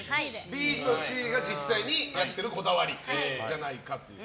ＢとＣが、実際にやってるこだわりじゃないかと。